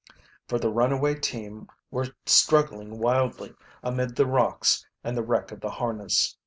For the runaway team were struggling wildly, amid the rocks and the wreck of the harness.